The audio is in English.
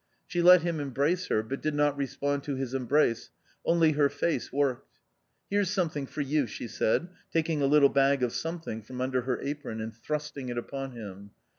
She let him embrace her, but did not respond to his embrace, only her face worked. " Here's something for you !" she said, taking a little bag of something from under her apron and thrusting it upon him.